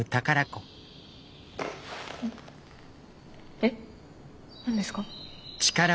えっ何ですか？